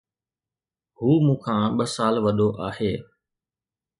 هو مون کان ٻه سال وڏو آهي